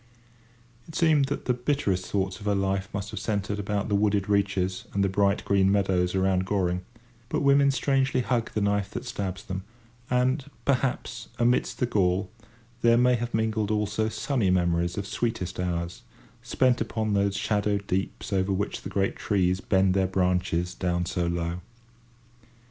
[Picture: Woman in the water] It seemed that the bitterest thoughts of her life must have centred about the wooded reaches and the bright green meadows around Goring; but women strangely hug the knife that stabs them, and, perhaps, amidst the gall, there may have mingled also sunny memories of sweetest hours, spent upon those shadowed deeps over which the great trees bend their branches down so low.